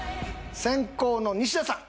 先攻の西田さん！